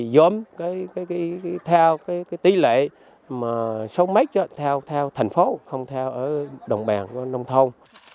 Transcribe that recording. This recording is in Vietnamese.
giống theo tỉ lệ mà số mét theo thành phố không theo ở đồng bàn của nông thôn